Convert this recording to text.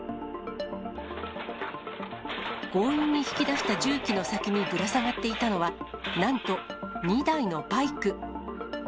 強引に引き出した重機の先にぶら下がっていたのは、なんと２台のバイク。